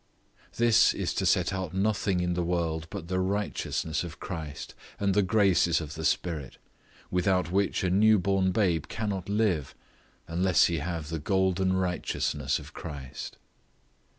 This is to set out nothing in the world but the righteousness of Christ, and the graces of the Spirit, without which a new born babe cannot live, unless he have the golden righteousness of Christ.